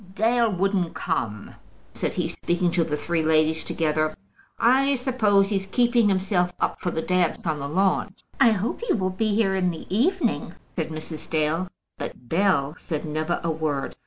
"Dale wouldn't come," said he, speaking to the three ladies together, "I suppose he's keeping himself up for the dance on the lawn." "I hope he will be here in the evening," said Mrs. Dale. But Bell said never a word.